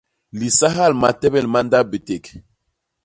Lisahal matebel ma ndap biték.